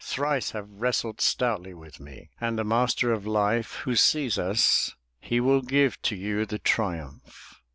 Thrice have wrestled stoutly with me. And the Master of Life, who sees us, He will give to you the triumph!'